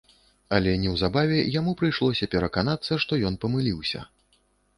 Але неўзабаве яму прыйшлося пераканацца, што ён памыліўся.